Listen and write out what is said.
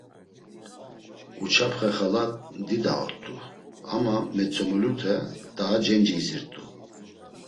Uçapxe xala dida ort̆u, ama metzomilute daa cenci izirt̆u.